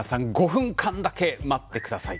５分間だけお待ちください。